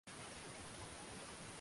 Msichana mrembo.